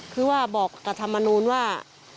คือว่าบอกกับธรรมนูลว่า